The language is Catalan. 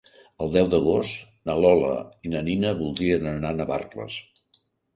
El deu d'agost na Lola i na Nina voldrien anar a Navarcles.